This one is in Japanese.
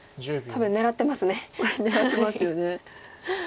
これ狙ってますよね。